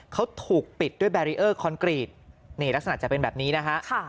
เขาถูกปิดด้วยแบรีเออร์คอนกรีตนี่ลักษณะจะเป็นแบบนี้นะฮะ